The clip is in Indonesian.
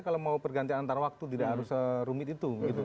kalau mau pergantian antar waktu tidak harus serumit itu